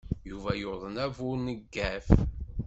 Yuba yuḍen abuneggaf.